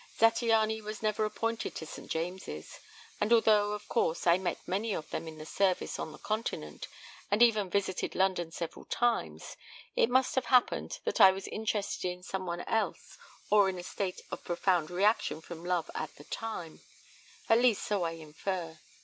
Zattiany was never appointed to St. James's, and although, of course, I met many of them in the service on the continent, and even visited London several times, it must have happened that I was interested in some one else or in a state of profound reaction from love at the time at least so I infer.